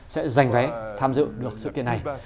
sẽ giành vé tham dự được sự kiện này